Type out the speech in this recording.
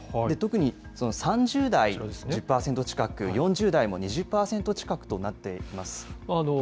特に３０代、１０％近く、４０代も２０％近くとなっています。